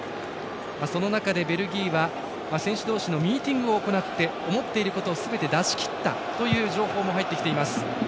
その中でベルギーは選手同士のミーティングを行って思っていることをすべて出しきったという情報も入ってきています。